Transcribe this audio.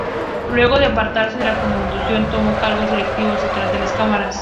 Luego de apartarse de la conducción tomó cargos directivos detrás de las cámaras.